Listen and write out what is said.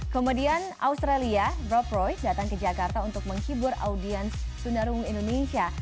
komedian australia rob royce datang ke jakarta untuk menghibur audiens tunarungu indonesia